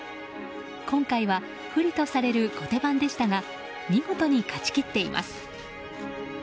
今回は不利とされる後手番でしたが見事に勝ち切っています。